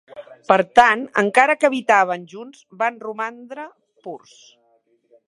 Per tant, encara que habitaven junts, van romandre "purs".